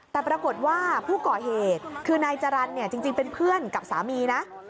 แต่ปรากฏว่าผู้ก่อเหตุคือนายจรรย์เนี่ยจริงเป็นเพื่อนกับสามีนะ